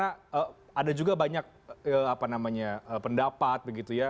ada juga banyak pendapat